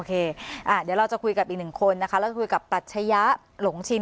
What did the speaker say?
เดี๋ยวเราจะคุยกับอีกหนึ่งคนนะคะเราจะคุยกับปรัชยะหลงชิน